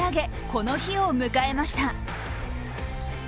この日を迎えました。